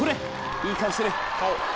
いい顔してる。